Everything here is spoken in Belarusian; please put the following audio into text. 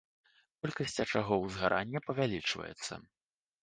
Колькасць ачагоў узгарання павялічваецца.